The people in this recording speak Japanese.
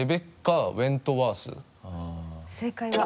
正解は。